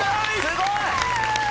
すごい！